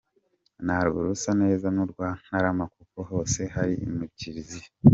Narwo rusa neza n’urwa Ntarama kuko hose hari mu kiliziya.